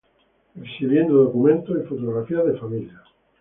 Exhibiendo Documentos y Fotografías de Familia